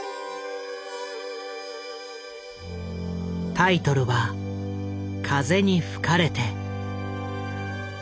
タイトルは「風に吹かれて」。